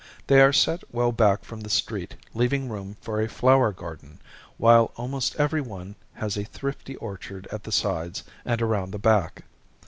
They are set well back from the street, leaving room for a flower garden, while almost every one has a thrifty orchard at the sides and around the back.